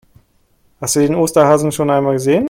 Hast du den Osterhasen schon einmal gesehen?